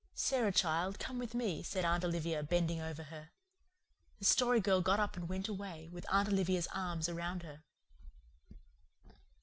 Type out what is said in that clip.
"Sara, child, come with me," said Aunt Olivia, bending over her. The Story Girl got up and went away, with Aunt Olivia's arms around her.